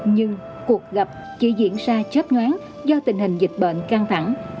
nhưng cuộc gặp chỉ diễn ra chết nhoán do tình hình dịch bệnh căng thẳng